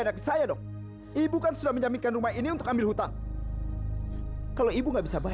tolong kasih saya kelonggaran lagi ya pak